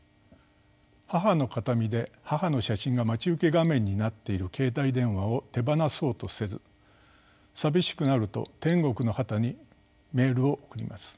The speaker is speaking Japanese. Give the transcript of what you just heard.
母の形見で母の写真が待ち受け画面になっている携帯電話を手放そうとせず寂しくなると天国の母にメールを送ります。